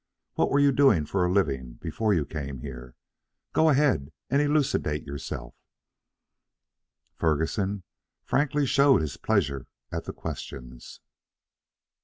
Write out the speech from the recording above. What were you doing for a living before you came here? Go ahead and elucidate yourself." Ferguson frankly showed his pleasure at the questions.